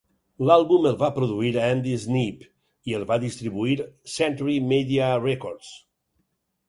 L'àlbum el va produir Andy Sneap i el va distribuir Century Media Records.